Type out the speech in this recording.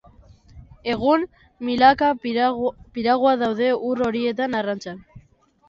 Egun, milaka piragua daude ur horietan arrantzan.